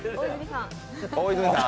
大泉さん。